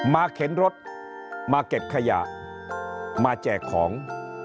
เข็นรถมาเก็บขยะมาแจกของ